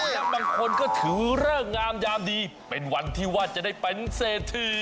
และบางคนก็ถือเลิกงามยามดีเป็นวันที่ว่าจะได้เป็นเศรษฐี